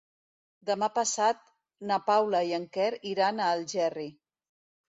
Demà passat na Paula i en Quer iran a Algerri.